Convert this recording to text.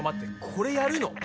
これやるの？